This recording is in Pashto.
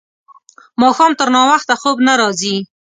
ماښام تر ناوخته خوب نه راځي.